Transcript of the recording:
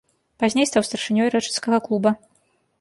Пазней стаў старшынёй рэчыцкага клуба.